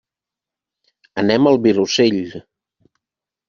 Anem al Vilosell.